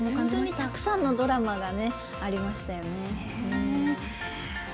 たくさんのドラマがありましたよね。